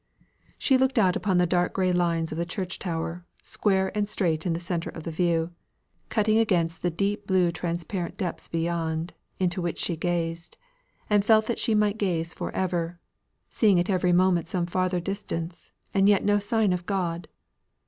She looked out upon the dark grey lines of the church towers, square and straight in the centre of the view, cutting against the deep blue transparent depths beyond, into which she gazed, and felt that she might gaze for ever, seeing at every moment some farther distance, and yet no sign of God!